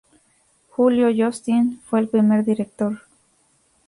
Julio Justin fue el primer director.